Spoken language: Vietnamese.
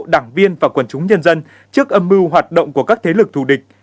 đảng viên và quần chúng nhân dân trước âm mưu hoạt động của các thế lực thù địch